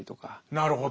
なるほど。